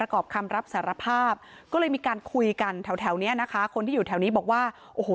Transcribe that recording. ก็เลยมีการคุยกันแถวเนี่ยนะคะคนที่อยู่แถวนี้บอกว่าโอ้โห